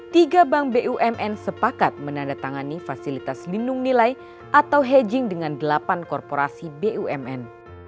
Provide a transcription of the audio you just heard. tiga bank bumn sepakat menandatangani fasilitas lindung nilai atau hedging dengan delapan korporasi bumn